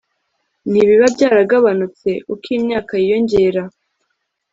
ntibiba byaragabanutse uko imyaka yiyongera